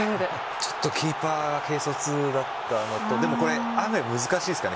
ちょっとキーパー軽率だったのとでも、これ案外難しいですからね